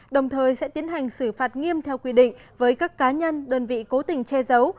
đồng thời sẽ tiến hành xử phạt nghiêm theo quy định với các cá nhân đơn vị cố tình che giấu